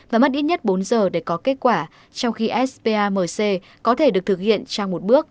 và mất ít nhất bốn giờ để có kết quả trong khi spamc có thể được thực hiện trong một bước